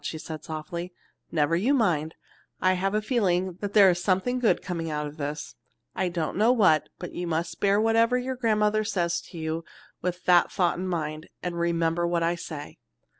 she said softly. "Never you mind! I have a feeling that there is something good coming out of this. I don't know what, but you must bear whatever your grandmother says to you with that thought in mind, and remember what I say."